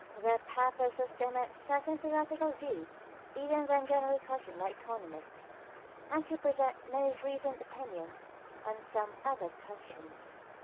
Their purpose was to amend certain theoretical views even then generally questioned by economists, and to present most recent opinions on some other questions.